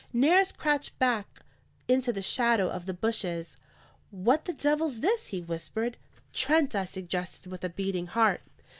Nares crouched back into the shadow of the bushes. "What the devil's this?" he whispered. "Trent," I suggested, with a beating heart.